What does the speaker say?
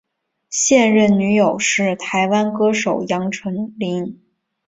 现任女友是台湾歌手杨丞琳。